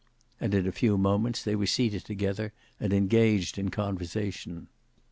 And in a few moments they were seated together and engaged in conversation.